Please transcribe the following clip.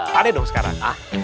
pak de dong sekarang